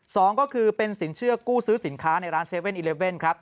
สองก็คือเป็นสินเชื่อกู้ซื้อสินค้าในร้าน๗๑๑ครับ